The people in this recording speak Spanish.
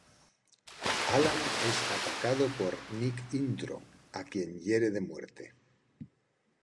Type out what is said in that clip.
Alan es atacado por Nick Nitro, a quien hiere de muerte.